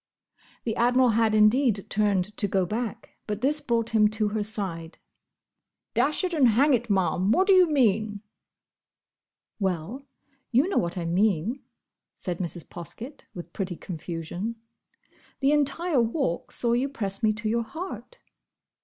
The Admiral had indeed turned to go back; but this brought him to her side. "Dash it and hang it, Ma'am! what do you mean?" "Well, you know what I mean," said Mrs. Poskett, with pretty confusion. "The entire Walk saw you press me to your heart!"